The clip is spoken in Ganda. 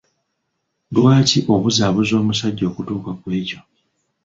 Lwaki obuzaabuza omusajja okutuuka kw'ekyo?